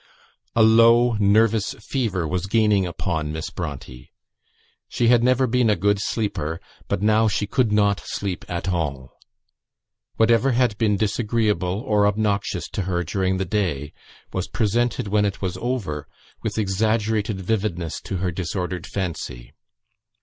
A low nervous fever was gaining upon Miss Bronte. She had never been a good sleeper, but now she could not sleep at all. Whatever had been disagreeable, or obnoxious, to her during the day, was presented when it was over with exaggerated vividness to her disordered fancy.